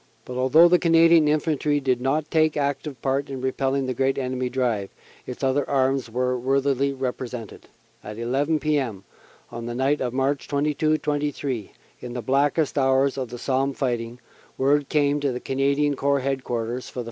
But although the Canadian Infantry did not take active part in repelling the great enemy drive, its other arms were worthily represented. At 1 1 p.m. on the night of March 22 23, in the blackest hours of the Somme fighting, word came to Canadian Corps Headquarters for the 1st.